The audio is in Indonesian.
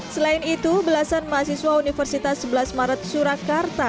selain itu belasan mahasiswa universitas sebelas maret surakarta